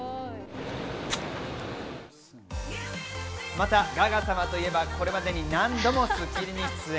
また、ガガ様といえば、これまでに何度も『スッキリ』に出演。